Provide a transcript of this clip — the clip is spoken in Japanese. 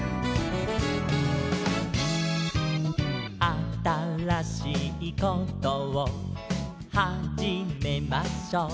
「あたらしいことをはじめましょう」